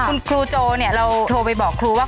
คุณครูโจเนี่ยเราโทรไปบอกครูว่า